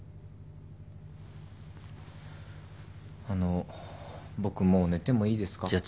あの僕もう寝てもいいですか？